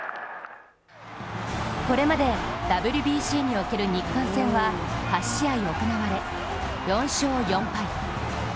これまでＷＢＣにおける日韓戦は８試合行われ、４勝４敗。